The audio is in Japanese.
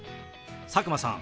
佐久間さん